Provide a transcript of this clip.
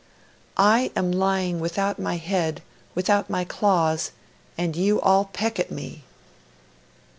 'I am lying without my head, without my claws, and you all peck at me.